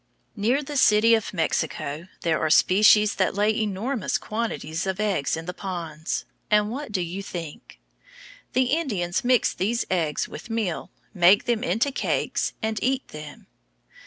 Near the city of Mexico there are species that lay enormous quantities of eggs in the ponds, and what do you think? The Indians mix these eggs with meal, make them into cakes, and eat them.